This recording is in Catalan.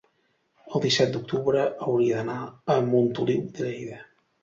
el disset d'octubre hauria d'anar a Montoliu de Lleida.